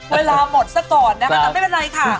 เวลาหมดซะก่อนนะคะแต่ไม่เป็นไรค่ะ